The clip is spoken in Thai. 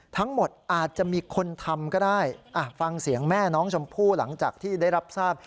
ทั้งหมดอาจจะมีคนทำก็ได้ฟังเสียงแม่น้องชมพู่หลังจากที่ได้รับทราบ